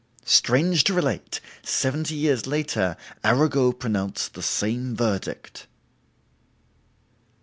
Strange to relate, seventy years later, Arago pronounced the same verdict!"